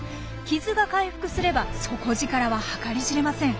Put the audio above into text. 傷が回復すれば底力は計り知れません。